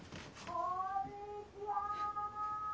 こんにちは！